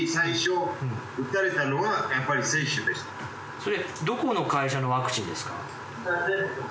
それどこの会社のワクチンですか？